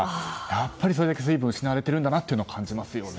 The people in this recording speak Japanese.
やっぱり、それだけ水分が失われているんだって感じます。